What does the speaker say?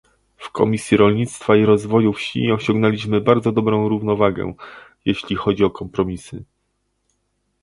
W Komisji Rolnictwa i Rozwoju Wsi osiągnęliśmy bardzo dobrą równowagę, jeśli chodzi o kompromisy